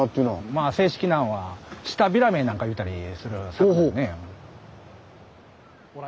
まあ正式なんはシタビラメなんか言うたりする魚ですね。